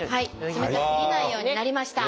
冷たすぎないようになりました。